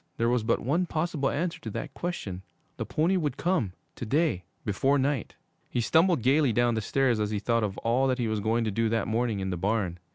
There was but one possible answer to that question. The pony would come to day before night. He stumbled gayly down the stairs as he thought of all that he was going to do that morning in the barn.